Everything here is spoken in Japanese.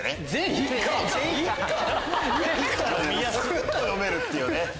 すっと読めるっていうね。